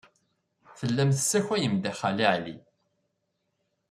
Tellam tessakayem-d Xali Ɛli.